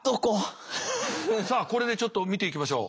さあこれでちょっと見ていきましょう。